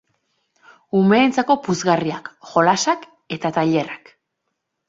Umeentzako puzgarriak, jolasak eta tailerrak.